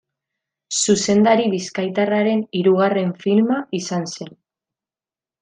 Zuzendari bizkaitarraren hirugarren filma izan zen.